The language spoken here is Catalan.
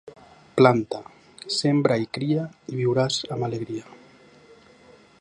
Planta, sembra i cria i viuràs amb alegria.